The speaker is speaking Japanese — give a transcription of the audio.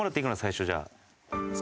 最初じゃあ。